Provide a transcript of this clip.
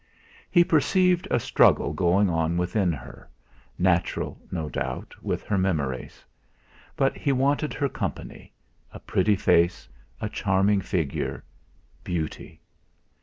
He perceived a struggle going on within her; natural, no doubt, with her memories. But he wanted her company; a pretty face, a charming figure, beauty!